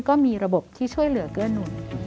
ก็มีระบบที่ช่วยเหลือเกื้อหนุน